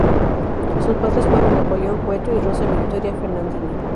Sus padres fueron Napoleón Cueto y Rosa Victoria Fernandini.